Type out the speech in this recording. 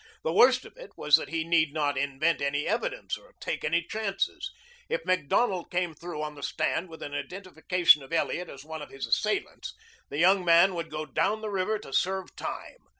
The worst of it was that he need not invent any evidence or take any chances. If Macdonald came through on the stand with an identification of Elliot as one of his assailants, the young man would go down the river to serve time.